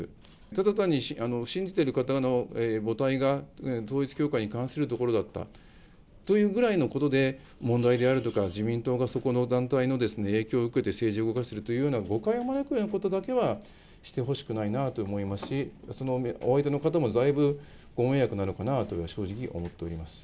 ただ単に信じてる方の母体が、統一教会に関するところだったというぐらいのことで、問題であるとか、自民党がそこの団体の影響を受けて政治を動かしているような誤解を招くようなことだけはしてほしくないなと思いますし、その上、お相手の方もだいぶご迷惑なのかなと、正直思っております。